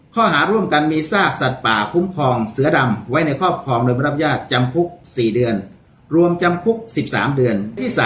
ข้อหาร่วมกันมีซากสัตว์ป่าคุ้มครองเสือดำไว้ในครอบครองโดยไม่รับญาติจำคุก๔เดือนรวมจำคุก๑๓เดือนที่๓